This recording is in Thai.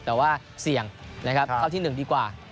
แต่ว่าเสี่ยงนะครับเข้าที่๑ดีกว่า